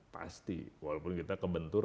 pasti walaupun kita kebentur